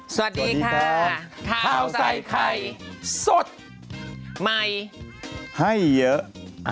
สวัสดีค่ะข้าวใส่ไข่สดใหม่ให้เยอะ